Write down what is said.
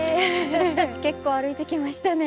私たち結構歩いてきましたね。